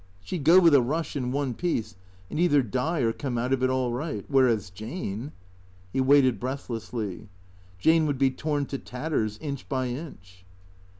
" She 'd go with a rush, in one piece, and either die or come out of it all right. Whereas Jane " He waited breathlessly. " Jane would be torn to tatters, inch by inch."